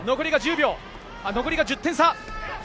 残り１０点差。